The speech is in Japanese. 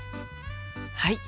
はい。